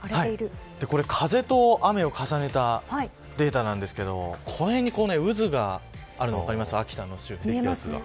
風と雨を重ねたデータなんですがこの辺に渦があるの分かりますか秋田の周辺。